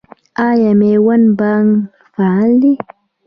آیا میوند بانک فعال دی؟